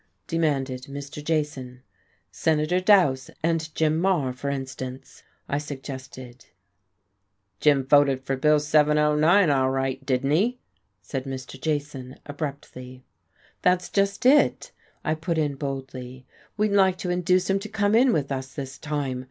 demanded Mr. Jason. "Senator Dowse and Jim Maher, for instance," I suggested. "Jim voted for Bill 709 all right didn't he?" said Mr. Jason abruptly. "That's just it," I put in boldly. "We'd like to induce him to come in with us this time.